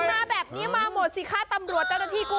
มาแบบนี้มาหมดสิคะตำรวจเจ้าหน้าที่กู้